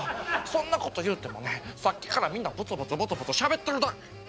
そんなこと言うてもねさっきからみんなブツブツブツブツしゃべってるだ。